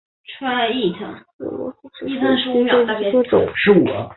宽带峰尺蛾为尺蛾科峰尺蛾属下的一个种。